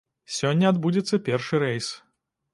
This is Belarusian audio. Сёння адбудзецца першы рэйс.